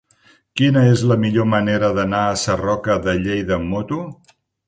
Quina és la millor manera d'anar a Sarroca de Lleida amb moto?